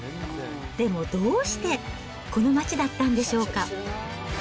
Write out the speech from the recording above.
でもどうして、この町だったんでしょうか。